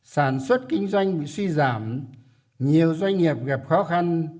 sản xuất kinh doanh bị suy giảm nhiều doanh nghiệp gặp khó khăn